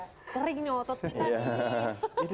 supaya keringnya otot kita